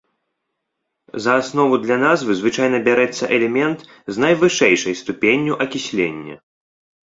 За аснову для назвы звычайна бярэцца элемент з найвышэйшай ступенню акіслення.